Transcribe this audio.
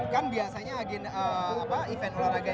kan biasanya event olahraga yang dari tingkat paling kecil seperti ini